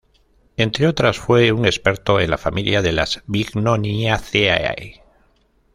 Entre otras, fue un experto en la familia de las Bignoniaceae.